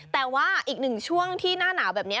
แต่ว่าอีกหนึ่งช่วงที่หน้าหนาวแบบนี้